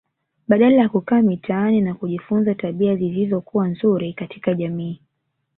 Badala ya kukaa mitaani na kujifunza tabia zisizokuwa nzuri katika jamii